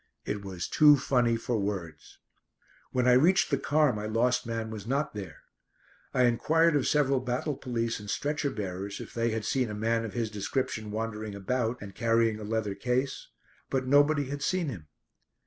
It was too funny for words. When I reached the car my lost man was not there. I enquired of several battle police and stretcher bearers if they had seen a man of his description wandering about, and carrying a leather case, but nobody had seen him.